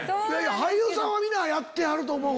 俳優さんは皆やってはると思う。